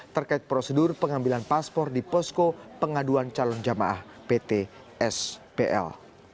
terkait prosedur pengambilan paspor di posko pengaduan calon jamaah pt spl